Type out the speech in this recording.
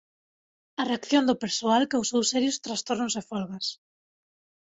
A reacción do persoal causou serios trastornos e folgas.